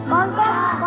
có có có